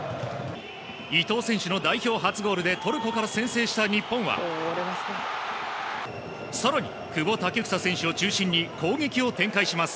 伊藤選手の代表初ゴールでトルコから先制した日本は、さらに久保建英選手を中心に攻撃を展開します。